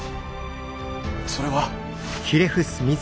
それは。